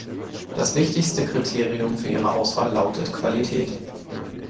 Das wichtigste Kriterium für ihre Auswahl lautet Qualität.